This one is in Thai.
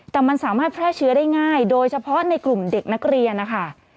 แต่มันสามารถแพร่เชื้อได้ง่ายโดยเฉพาะในกลุ่มเด็กนักเรียนนะคะ